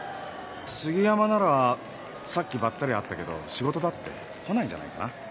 杉山ならさっきばったり会ったけど仕事だって。来ないんじゃないかな。